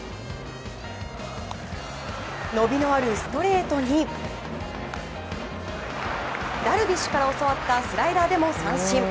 伸びのあるストレートにダルビッシュから教わったスライダーでも三振。